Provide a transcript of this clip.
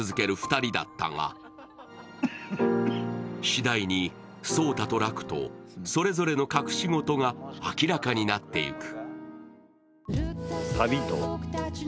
しだいに草太と楽人それぞれの隠し事が明らかになっていく。